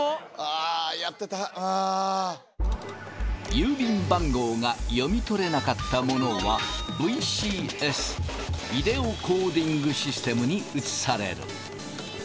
郵便番号が読み取れなかったものはＶＣＳビデオコーディングシステムに移される。